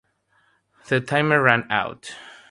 The timer ran out.